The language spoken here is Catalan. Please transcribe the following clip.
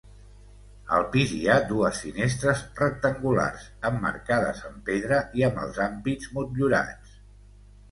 Al pis hi ha dues finestres rectangulars, emmarcades amb pedra i amb els ampits motllurats.